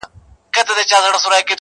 جنتونه یې نصیب کي لویه ربه ,